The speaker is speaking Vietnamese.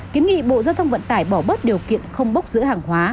kiến nghị bộ giao thông vận tải bỏ bớt điều kiện không bốc giữ hàng hóa